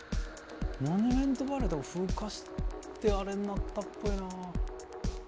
モニュメントバレーとか風化してあれになったっぽいな。